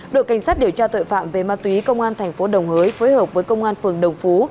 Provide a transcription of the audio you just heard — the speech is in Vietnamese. đội cảnh sát điều tra tội phạm về ma túy công an thành phố đồng hới phối hợp với công an phường đồng phú